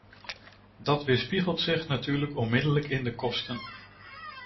Dat weerspiegelt zich natuurlijk onmiddellijk in de kosten.